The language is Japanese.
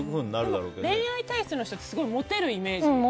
でも、恋愛体質の人ってモテるイメージ。